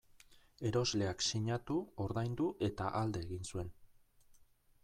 Erosleak sinatu, ordaindu eta alde egin zuen.